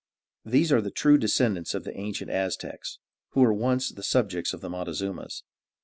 These are the true descendants of the ancient Aztecs, who were once the subjects of the Montezumas.